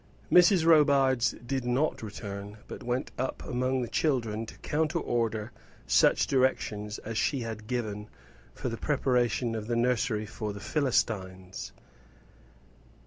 Mrs. Robarts did not return, but went up among the children to counter order such directions as she had given for the preparation of the nursery for the Philistines.